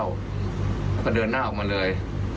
แล้วก็เดินหน้าออกมาเลย